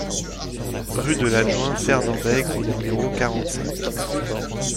Rue de l'Adjoint Fernand Bègue au numéro quarante-cinq